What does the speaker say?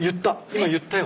今言ったよ。